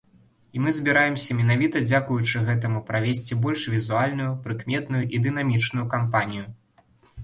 І мы збіраемся менавіта дзякуючы гэтаму правесці больш візуальную, прыкметную і дынамічную кампанію.